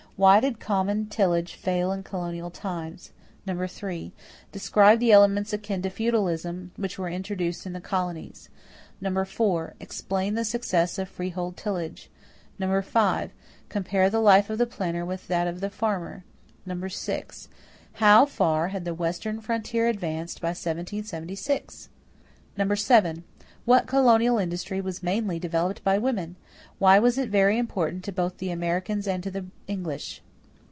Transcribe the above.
Why did common tillage fail in colonial times? 3. Describe the elements akin to feudalism which were introduced in the colonies. 4. Explain the success of freehold tillage. 5. Compare the life of the planter with that of the farmer. 6. How far had the western frontier advanced by 1776? 7. What colonial industry was mainly developed by women? Why was it very important both to the Americans and to the English?